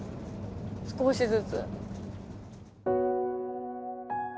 少しずつ。